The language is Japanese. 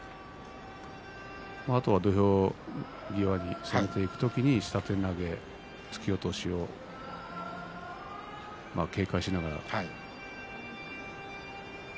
あとは土俵際に下がっていく時に下手投げ、突き落としを警戒しながら。